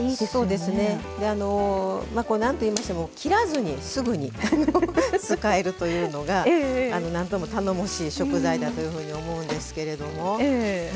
であの何と言いましても切らずにすぐに使えるというのが何とも頼もしい食材だというふうに思うんですけれども。